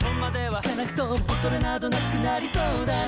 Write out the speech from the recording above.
行かなくとも恐れなどなくなりそうだな」